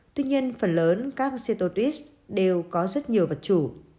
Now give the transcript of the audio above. tuy nhiên phần lớn các setolt đều có rất nhiều vật chủ